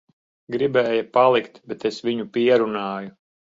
Gribēja palikt, bet es viņu pierunāju.